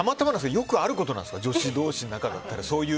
よくあることなんですか女子同士の中だったら。